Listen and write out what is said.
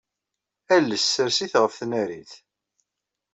Ales ssers-it ɣef tnarit.